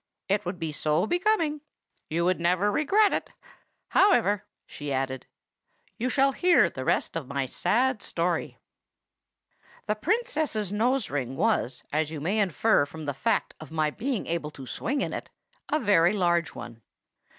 "It would be so becoming! You would never regret it. However," she added, "you shall hear the rest of my sad story. "The Princess's nose ring was, as you may infer from the fact of my being able to swing in it, a very large one.